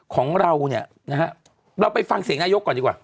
ของเราเราไปฟังเสียงนายกก่อนดีกว่า